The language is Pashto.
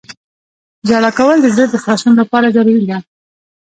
• ژړا کول د زړه د خلاصون لپاره ضروري ده.